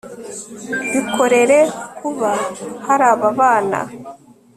bikorera kuba hari ababana